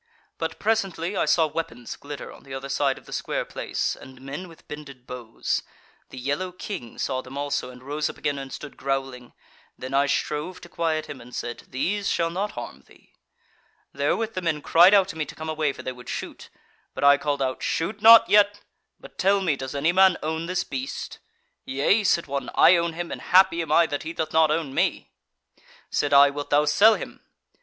"But presently I saw weapons glitter on the other side of the square place, and men with bended bows. The yellow king saw them also, and rose up again and stood growling; then I strove to quiet him, and said, 'These shall not harm thee.' "Therewith the men cried out to me to come away, for they would shoot: But I called out; 'Shoot not yet! but tell me, does any man own this beast?' 'Yea,' said one, 'I own him, and happy am I that he doth not own me.' Said I, 'Wilt thou sell him?'